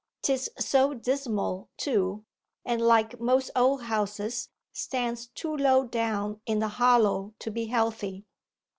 'Tis so dismal, too, and like most old houses stands too low down in the hollow to be healthy.